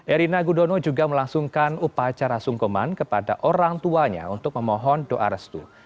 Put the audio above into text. erina gudono juga melangsungkan upacara sungkoman kepada orang tuanya untuk memohon doa restu